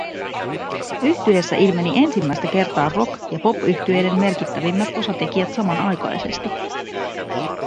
Yhtyeessä ilmeni ensimmäistä kertaa rock- ja popyhtyeiden merkittävimmät osatekijät samanaikaisesti